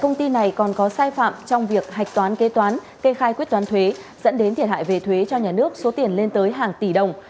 công ty này còn có sai phạm trong việc hạch toán kế toán kê khai quyết toán thuế dẫn đến thiệt hại về thuế cho nhà nước số tiền lên tới hàng tỷ đồng